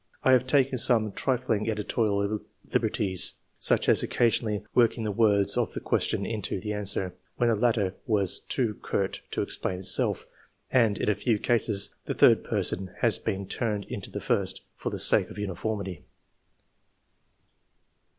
I have taken some trifling editorial liberties, such as occasionally working the words of the question into the answer, when the latter was too curt to explain itself; and 78 ENGLISH MEN OF SCIENCE. [chap. in a few cases the third person has been turned into the first, for the sake of uniformity.